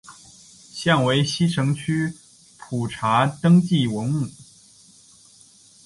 现为西城区普查登记文物。